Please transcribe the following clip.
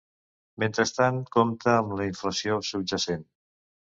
Mentrestant, compte amb la inflació subjacent!